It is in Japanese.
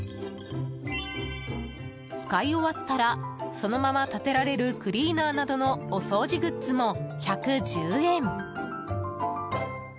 使い終わったらそのまま立てられるクリーナーなどのお掃除グッズも、１１０円。